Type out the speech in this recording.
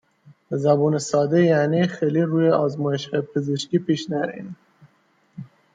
به زبون ساده یعنی خیلی روی آزمایشهای پزشکی پیش نرین.